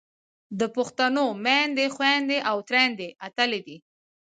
د پښتنو میندې، خویندې او ترېیندې اتلې دي.